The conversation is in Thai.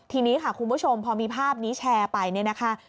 ทีนี้ค่ะคุณผู้ชมพอมีภาพนี้แชร์ไปเนี่ยนะคะ